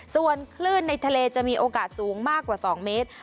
ส่วนคลื่นในทะเลจะมีโอกาสสูงมากกว่า๒เมตร